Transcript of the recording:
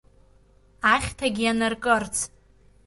Ахьҭагь ианаркырц…